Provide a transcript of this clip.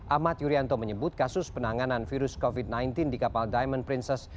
ahmad yuryanto menyebut kasus penanganan virus covid sembilan belas di kapal diamond princess